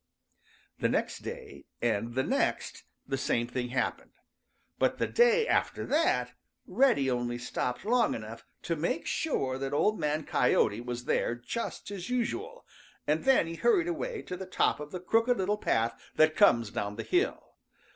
The next day and the next the same thing happened, but the day after that Reddy only stopped long enough to make sure that Old Man Coyote was there just as usual, and then he hurried away to the top of the Crooked Little Path that comes down the hill.